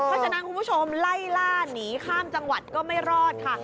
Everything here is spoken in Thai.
เพราะฉะนั้นคุณผู้ชมไล่ล่าหนีข้ามจังหวัดก็ไม่รอดค่ะ